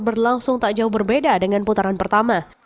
berlangsung tak jauh berbeda dengan putaran pertama